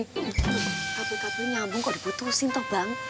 kabin kabin nyambung kok diputusin bang